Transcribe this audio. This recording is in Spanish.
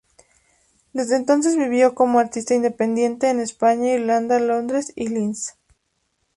Desde entonces, vivió como artista independiente en España, Irlanda, Londres y Linz.